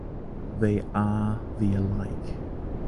They are the alike.